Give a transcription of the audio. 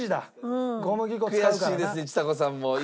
悔しいですねちさ子さんも。